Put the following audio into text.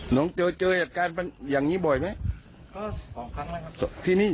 หนุ่มเจอจัดการมันอย่างงี้บ่อยไหมก็สองครั้งแล้วครับที่นี่